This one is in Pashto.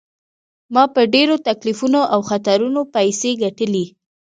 ما په ډیرو تکلیفونو او خطرونو پیسې ګټلي.